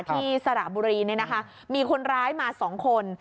ที่สระบุรีนี่นะคะมีคนร้ายมาสองคน